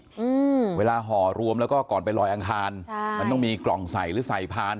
อืมเวลาห่อรวมแล้วก็ก่อนไปลอยอังคารใช่มันต้องมีกล่องใส่หรือใส่พาน